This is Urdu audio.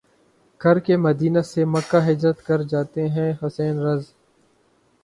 کرکے مدینہ سے مکہ ہجرت کر جاتے ہیں حسین رض